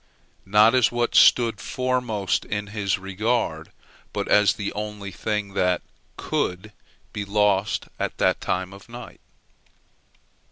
not as what stood foremost in his regard, but as the only thing that could be lost at the time of night.